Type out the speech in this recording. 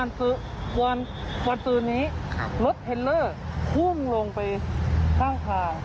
เมื่อวานวันตื่นนี้รถเฮลเลอร์พุ่มลงไปข้าง